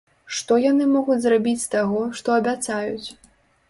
Што яны могуць зрабіць з таго, што абяцаюць?